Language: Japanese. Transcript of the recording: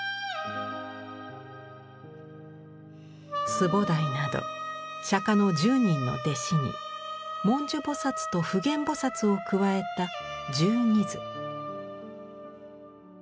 須菩提など釈の１０人の弟子に文殊菩と普賢菩を加えた１２図。